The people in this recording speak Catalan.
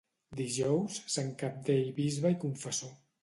Dijous, sant Cabdell bisbe i confessor.